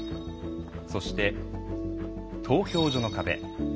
そして、投票所の壁。